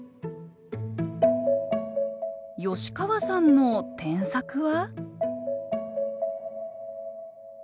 吉川さんの添削は？